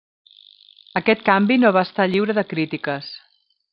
Aquest canvi no va estar lliure de crítiques.